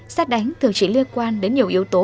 xét đánh thường chỉ liên quan đến nhiều yếu tố